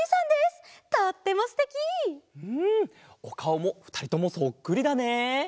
おかおもふたりともそっくりだね。